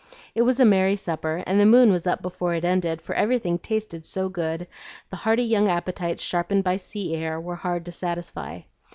It was a merry supper, and the moon was up before it ended; for everything "tasted so good" the hearty young appetites sharpened by sea air were hard to satisfy.